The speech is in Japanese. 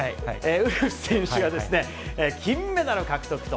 ウルフ選手が金メダル獲得と。